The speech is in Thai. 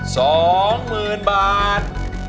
สองหมื่นบาท